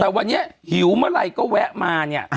แต่วันนี้หิวเมื่อไหร่ก็แวะมาเนี่ย